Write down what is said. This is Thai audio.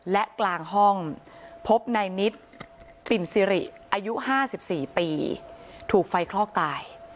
และกลางห้องพบในนิตปิ่นซิริอายุห้าสิบสี่ปีถูกไฟคลอกตาย